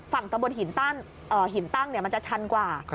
ตะบนหินตั้งมันจะชันกว่า